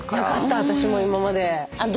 私も今まで。